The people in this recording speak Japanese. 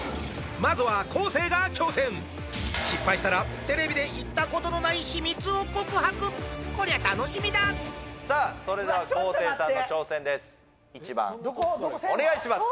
まずは失敗したらテレビで言ったことのない秘密を告白こりゃ楽しみだそれでは昴生さんの挑戦です